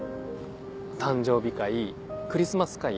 誕生日会クリスマス会